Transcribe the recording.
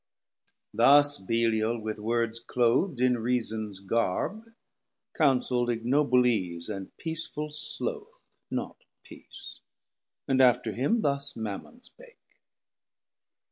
Thus Belial with words cloath'd in reasons garb Counsel'd ignoble ease, and peaceful sloath, Not peace: and after him thus Mammon spake.